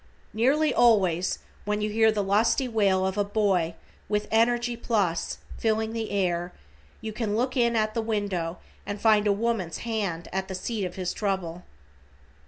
Nearly always when you hear the lusty wail of a boy with energy plus filling the air, you can look in at the window and find a woman's hand at the seat of his trouble.